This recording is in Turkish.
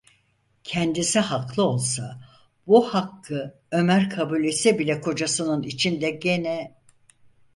Kendisi haklı olsa, bu hakkı Ömer kabul etse bile kocasının içinde gene: